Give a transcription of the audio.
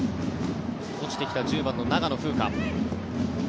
落ちてきた１０番の長野風花。